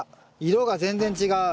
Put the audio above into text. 色が全然違う。